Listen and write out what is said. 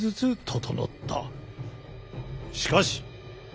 しかし！